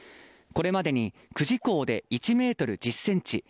これまでに久慈港で１メートル１０センチ